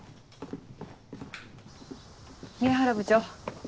宮原部長。